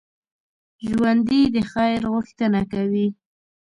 ژوندي د خیر غوښتنه کوي